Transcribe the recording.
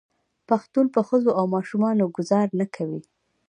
پښتون په ښځو او ماشومانو ګذار نه کوي.